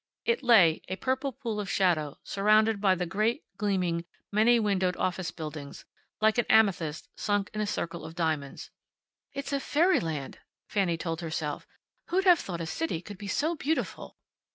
It lay, a purple pool of shadow, surrounded by the great, gleaming, many windowed office buildings, like an amethyst sunk in a circle of diamonds. "It's a fairyland!" Fanny told herself. "Who'd have thought a city could be so beautiful!"